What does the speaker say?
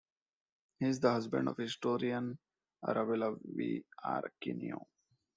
He is the husband of historian Arabela V. Arcinue.